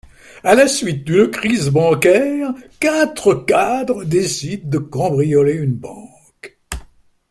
À la suite d'une crise bancaire, quatre cadres décident de cambrioler une banque.